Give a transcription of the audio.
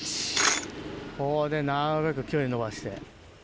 ここでなるべく距離伸ばして。